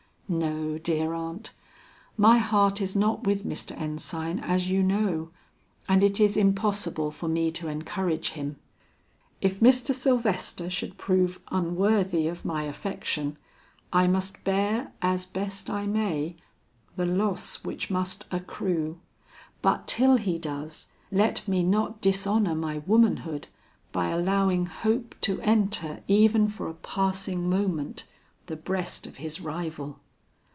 "No, dear aunt, my heart is not with Mr. Ensign, as you know, and it is impossible for me to encourage him. If Mr. Sylvester should prove unworthy of my affection, I must bear, as best I may, the loss which must accrue; but till he does, let me not dishonor my womanhood by allowing hope to enter, even for a passing moment, the breast of his rival."